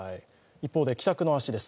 一方で帰宅の足です